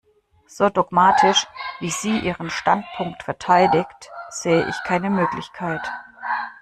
So dogmatisch, wie sie ihren Standpunkt verteidigt, sehe ich keine Möglichkeit.